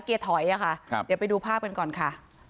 เกียร์ถอยอะค่ะเดี๋ยวไปดูภาพกันก่อนค่ะ